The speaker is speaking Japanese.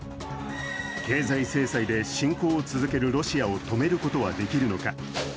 経済制裁で侵攻を続けるロシアを止めることはできるのか。